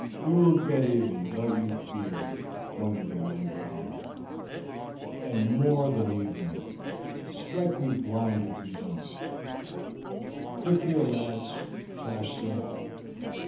"You will get even, don't you fear," one of the men growled, "and more than even, strike me blind if you don't." "Look here, lads," Flash said.